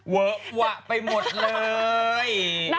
เวอะวะไปหมดเลย